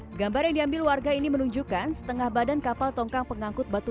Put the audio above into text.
hai gambar yang diambil warga ini menunjukkan setengah badan kapal tongkang pengangkut batu